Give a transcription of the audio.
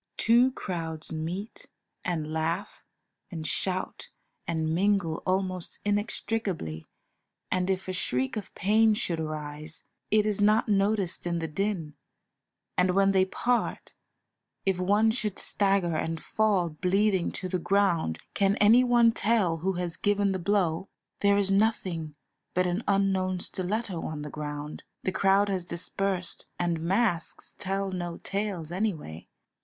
Two crowds meet and laugh and shout and mingle almost inextricably, and if a shriek of pain should arise, it is not noticed in the din, and when they part, if one should stagger and fall bleeding to the ground, can any one tell who has given the blow? There is nothing but an unknown stiletto on the ground, the crowd has dispersed, and masks tell no tales anyway.